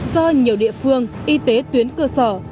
do nhiều địa phương y tế tuyến cơ sở